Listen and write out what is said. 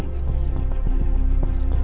aku mau main ke rumah intan